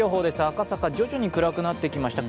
赤坂、徐々に暗くなってきました。